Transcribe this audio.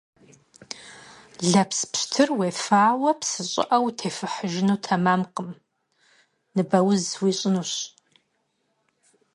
Лэпс пщтыр уефауэ псы щӀыӀэ утефыхьыжыну тэмэмкъым - ныбэуз уищӀынущ.